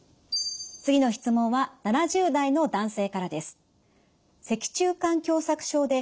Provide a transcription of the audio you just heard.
次の質問は７０代の男性からです。